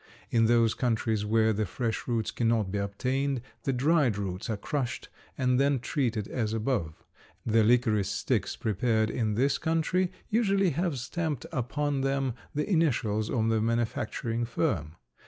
In those countries where the fresh roots cannot be obtained the dried roots are crushed and then treated as above. The licorice sticks prepared in this country usually have stamped upon them the initials of the manufacturing firm.